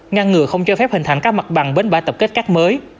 ngăn ngừa không cho phép hình thành các mặt bằng bến bãi tập kết cát mới